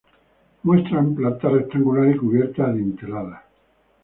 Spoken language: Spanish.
Muestran planta rectangular y cubierta adintelada.